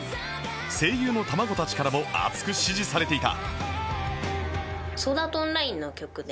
声優の卵たちからも熱く支持されていた